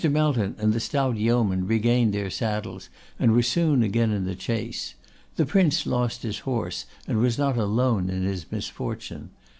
Melton and the stout yeoman regained their saddles and were soon again in chase. The Prince lost his horse, and was not alone in his misfortune.